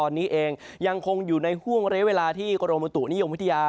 ตอนนี้เองยังคงอยู่ในห่วงระยะเวลาที่กรมบุตุนิยมวิทยา